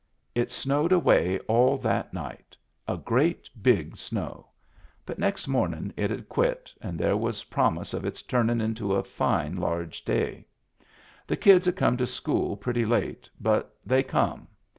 It snowed away all that night — a great big snow — but next momin' it had quit and there was promise of its tumin' into a fine large day. The kids had come to school pretty late, but they come.